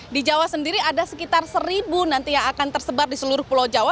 di jawa sendiri ada sekitar seribu nanti yang akan tersebar di seluruh pulau jawa